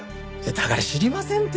だから知りませんって！